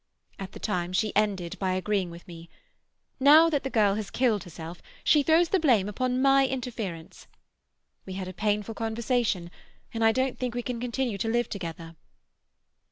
At the time she ended by agreeing with me. Now that the girl has killed herself, she throws the blame upon my interference. We had a painful conversation, and I don't think we can continue to live together."